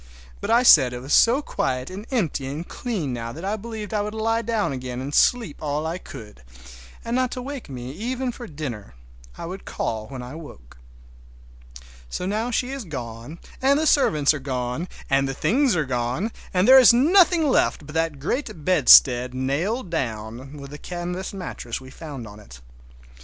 But I said it was so quiet and empty and clean now that I believed I would lie down again and sleep all I could; and not to wake me even for dinner—I would call when I woke. So now she is gone, and the servants are gone, and the things are gone, and there is nothing left but that great bedstead nailed down, with the canvas mattress we found on it.